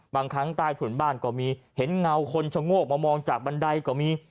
บางครั้งใต้ถุนบ้านก็มีเห็นเงาคนชะโงกมามองจากบันไดก็มี